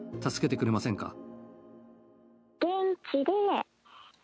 助けてくれませんか？